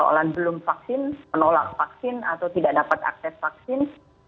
soalan belum vaksin menolak vaksin atau tidak dapat akses vaksin